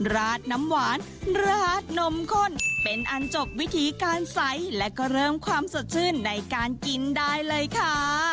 ราดน้ำหวานราดนมข้นเป็นอันจบวิธีการใสและก็เริ่มความสดชื่นในการกินได้เลยค่ะ